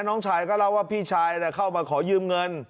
น้องชายก็เล่าว่าพี่ชายเข้ามาขอยืมเงิน